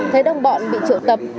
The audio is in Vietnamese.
thấy đông bọn bị triệu tập